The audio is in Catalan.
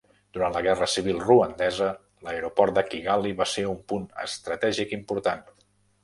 Durant la Guerra Civil Ruandesa, l'aeroport de Kigali va ser un punt estratègic important.